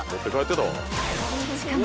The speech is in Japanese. ［しかも］